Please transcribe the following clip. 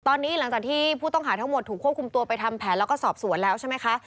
ตอนนี้หลังจากที่ผู้ต้องหาทั้งหมดถูกควบคุมตัวไปทำแผนแล้วก็สอบสวนแล้วใช่ไหมคะ